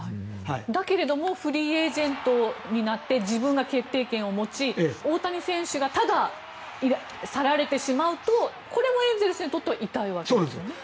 だけれどもフリーエージェントになって自分が決定権を持ち大谷選手にただ去られてしまうとこれはエンゼルスにとっては痛いわけですよね。